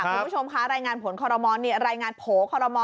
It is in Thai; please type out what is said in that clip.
คุณผู้ชมคะรายงานผลคอรมอลรายงานโผล่คอรมอ